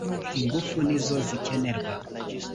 ingufu nizo zikenerwa.